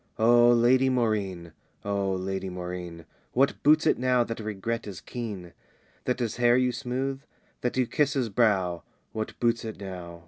O Lady Maurine! O Lady Maurine! What boots it now that regret is keen? That his hair you smooth? that you kiss his brow, What boots it now?